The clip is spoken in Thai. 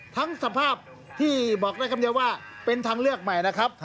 สภาพที่บอกได้คำเดียวว่าเป็นทางเลือกใหม่นะครับ